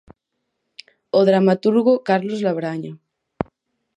O dramaturgo Carlos Labraña.